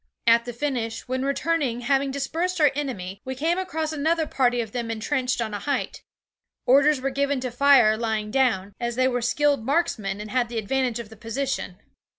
At the finish, when returning, having dispersed our enemy, we came across another party of them entrenched on a height. Orders were given to fire lying down, as they were skilled marksmen and had the advantage of the position.